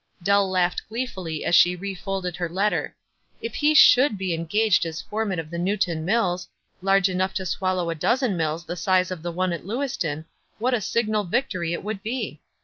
Dell laughed gleefully as she refolded her letter. If he should be engaged as foreman of the Newton Mills, large enough to swallow a dozen mills the size of the one at Lewiston, what a signal victory it would be